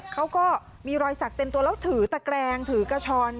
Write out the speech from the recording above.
เขาก็มีรอยสักเต็มตัวแล้วถือตะแกรงถือกระชอน